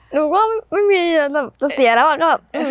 หนูก็ไม่มีจะเสียแล้วก็แบบ